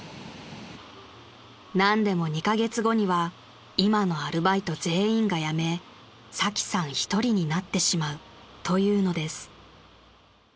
［なんでも２カ月後には今のアルバイト全員が辞めサキさんひとりになってしまうというのです］